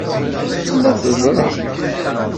Tella teẓra.